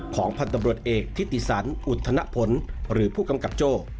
ของพันธ์ตำรวจเอกทิติสันอุทธนพลหรือผู้กำกับโจ้